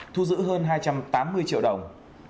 thu giữ hơn hai trăm tám mươi triệu đồng